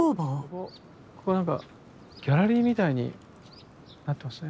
ここ何かギャラリーみたいになってますね。